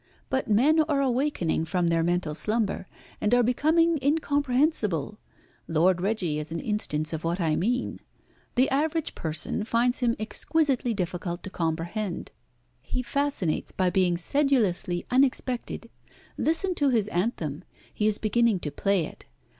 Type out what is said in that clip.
But men are awakening from their mental slumber, and are becoming incomprehensible. Lord Reggie is an instance of what I mean. The average person finds him exquisitely difficult to comprehend. He fascinates by being sedulously unexpected. Listen to his anthem. He is beginning to play it.